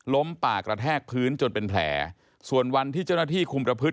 ป่ากระแทกพื้นจนเป็นแผลส่วนวันที่เจ้าหน้าที่คุมประพฤติ